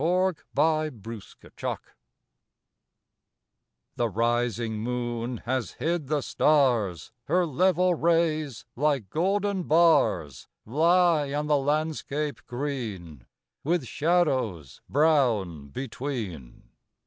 20 48 ENDMYION ENDYMION The rising moon has hid the stars ; Her level rays, like golden bars, Lie on the landscape green, With shadows brown between.